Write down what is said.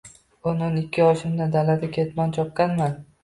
O‘n-o‘n ikki yoshimdan dalada ketmon chopganman.